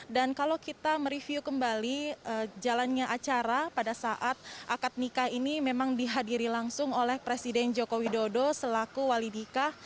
dan kalau kita mereview kembali jalannya acara pada saat akad nikah ini memang dihadiri langsung oleh presiden joko widodo selaku wali nikah